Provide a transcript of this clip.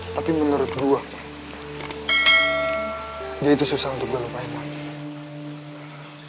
tapi menurut gue dia itu susah untuk gue lupain man